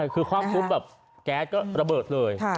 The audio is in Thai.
คือความทุบแบบแก๊สระเบิดเลย